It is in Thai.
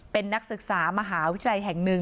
เป็นนักศึกษามหาวิทยาลัยแห่งหนึ่ง